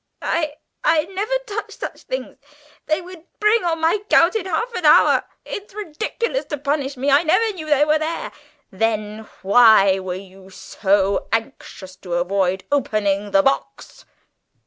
"I I never touch such things: they would bring on my gout in half an hour. It's ridiculous to punish me. I never knew they were there!" "Then why were you so anxious to avoid opening the box?"